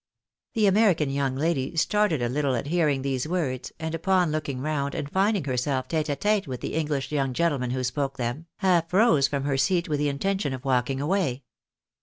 The American young lady started a little at hearing these words, and upon looking round, and finding herself Ute h U'Je with the English young gentleman who spoke them, half rose from her seat with the intention of walking away.